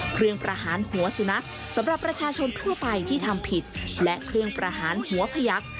ประหารหัวสุนัขสำหรับประชาชนทั่วไปที่ทำผิดและเครื่องประหารหัวขยัก